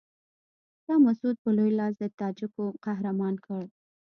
تا مسعود په لوی لاس د تاجکو قهرمان کړ.